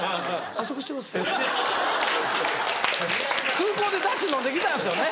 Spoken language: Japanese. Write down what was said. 空港でダシ飲んできたんですよね